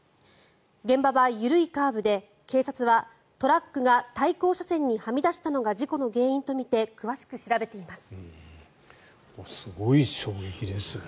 現場は緩いカーブで警察はトラックが対向車線にはみ出したのが事故の原因とみて詳しく調べています。